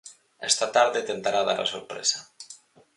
Esta tarde tentará dar a sorpresa.